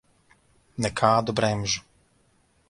Nekādu bremžu.